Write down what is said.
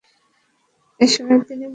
এ সময় তিনি বহুমুখী কর্মকান্ড পরিচালনা করেন।